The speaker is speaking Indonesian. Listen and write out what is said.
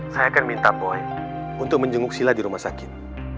saya akan minta poin untuk menjenguk sila di rumah sakit